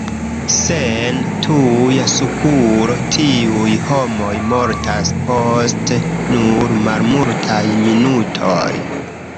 Sen tuja sukuro tiuj homoj mortas post nur malmultaj minutoj.